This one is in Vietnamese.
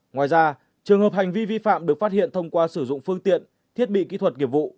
ngoài ra trường hợp hành vi vi phạm được phát hiện thông qua sử dụng phương tiện thiết bị kỹ thuật nghiệp vụ